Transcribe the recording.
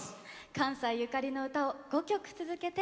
関西ゆかりの歌を５曲続けて。